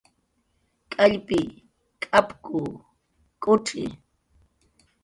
K'allpi, k'apku, k'ucxi